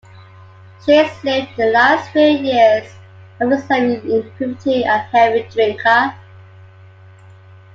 Shays lived the last few years of his life in poverty, a heavy drinker.